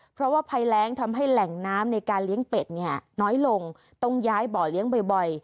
เพราะว่าภัยแรงทำให้แหล่งน้ำในการเลี้ยงเป็ดเนี่ยน้อยลงต้องย้ายบ่อเลี้ยงบ่อย